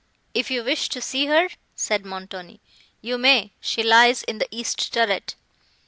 "If you wish to see her," said Montoni, "you may; she lies in the east turret."